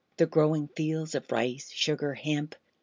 the growing fields of rice, sugar, hemp!